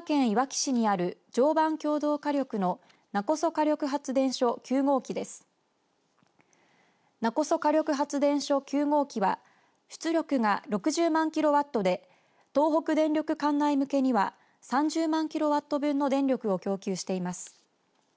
勿来火力発電所９号機は出力が６０万キロワットで東北電力管内向けには３０万キロワット分の電力を供給しています。